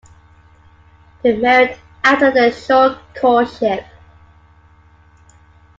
They married after a short courtship.